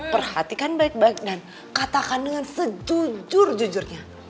perhatikan baik baik dan katakan dengan sejujur jujurnya